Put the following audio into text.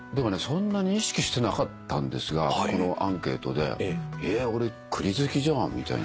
そんなに意識してなかったんですがこのアンケートでえ俺栗好きじゃんみたいな。